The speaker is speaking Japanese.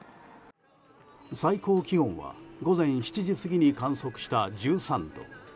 最高気温は午前７時過ぎに観測した１３度。